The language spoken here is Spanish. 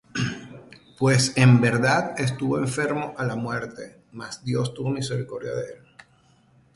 Pues en verdad estuvo enfermo á la muerte: mas Dios tuvo misericordia de él;